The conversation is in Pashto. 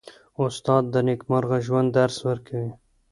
استاد د نېکمرغه ژوند درس ورکوي.